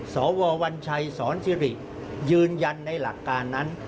สววัญชัยสอนสิริยืนยันในหลักการนั้น